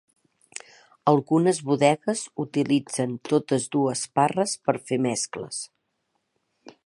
Algunes bodegues utilitzen totes dues parres per fer mescles.